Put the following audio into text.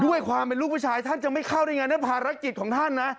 ด้วยความเป็นลูกผู้ชายท่านจะไม่เข้าได้ไงนะภารกิจของท่านนะ